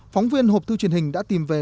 phóng viên hộp thư truyền hình đã tìm về